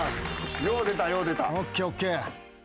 よう出たよう出た。